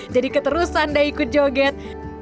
jadi keterusan deh ikut joget